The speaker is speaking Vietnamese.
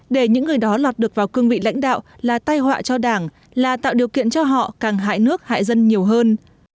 để những người đó lọt được vào cương vị lãnh đạo là tay họa cho đảng là tạo điều kiện cho họ càng hại nước hại dân nhiều hơn